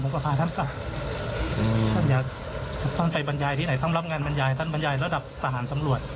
ผมก็พาท่านไปที่ไหนสำลับงานบรรยายท่านบรรยายระดับสถานสำรวจ